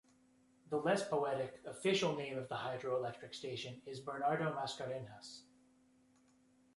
The less poetic, official name of the hydroelectric station is "Bernardo Mascarenhas".